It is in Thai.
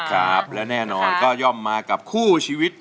ครับและแน่นอนก็ย่อมมากับคู่ชีวิต